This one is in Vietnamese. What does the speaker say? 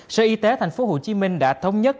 sở y tế tp hcm đã thống nhất